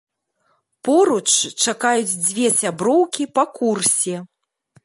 Поруч чакаюць дзве сяброўкі па курсе.